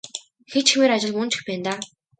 Хийчихмээр ажил мөн ч их байна даа.